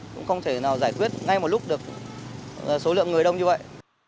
cũng không thể nào giải quyết ngay một lúc được số lượng người đông như vậy